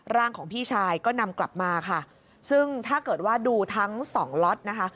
ร่างของพี่ชายก็นำกลับมาค่ะซึ่งถ้าเกิดว่าดูทั้งสองล็อตนะคะ